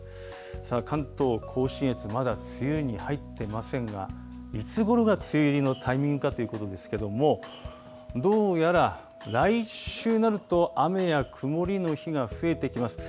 さあ、関東甲信越、まだ梅雨に入ってませんが、いつごろが梅雨入りのタイミングかということですけれども、どうやら、来週になると、雨や曇りの日が増えてきます。